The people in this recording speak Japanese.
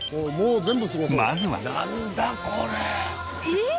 まずは。えっ！？